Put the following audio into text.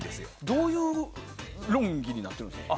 どういう論議になっているんですか？